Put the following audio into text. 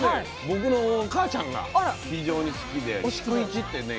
僕のお母ちゃんが非常に好きで四九市ってね